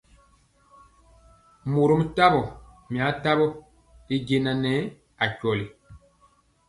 Mɔrom tawo, mia tamɔ y jaŋa nɛɛ akweli.